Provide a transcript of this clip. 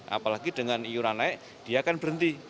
apalagi dengan iuran naik dia akan berhenti